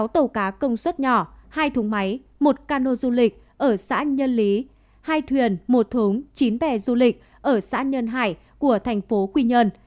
một mươi sáu tàu cá công suất nhỏ hai thúng máy một cano du lịch ở xã nhân lý hai thuyền một thúng chín bè du lịch ở xã nhân hải